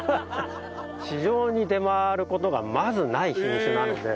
市場に出回る事がまずない品種なので。